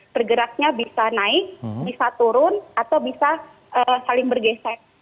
pergeraknya bisa naik bisa turun atau bisa saling bergesek